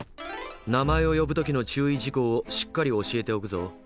名前を呼ぶ時の注意事項をしっかり教えておくぞ。